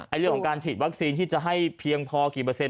เรื่องของการฉีดวัคซีนที่จะให้เพียงพอกี่เปอร์เซ็น